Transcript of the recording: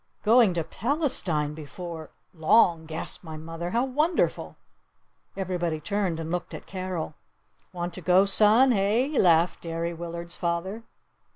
"Going to Palestine before long," gasped my mother. "How wonderful!" Everybody turned and looked at Carol. "Want to go, son, eh?" laughed Derry Willard's father.